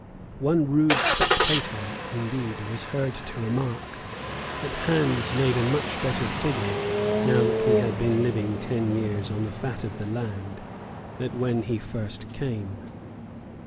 One rude spectator, indeed, was heard to remark that Hans made a much better figure, now that he had been living ten years on the fat of the land, than when he first came.